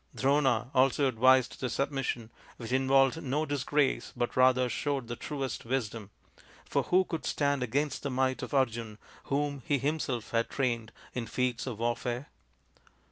Drona also advised the submission, which involved no disgrace but rather showed the truest wisdom for who could stand against the might of Arjun, whom he himself had trained in feats of warfare